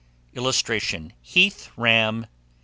[Illustration: HEATH RAM.